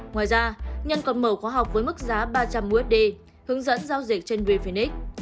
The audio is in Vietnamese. ngoài ra nhân còn mở khoa học với mức giá ba trăm linh usd hướng dẫn giao diện trên wefenix